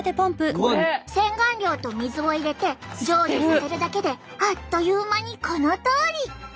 洗顔料と水を入れて上下させるだけであっという間にこのとおり！